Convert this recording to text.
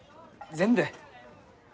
全部？